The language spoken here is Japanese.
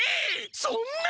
そんな！